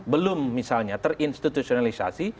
belum misalnya terinstitutionalisasi